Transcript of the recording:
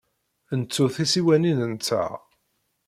Nettu tisiwanin-nteɣ.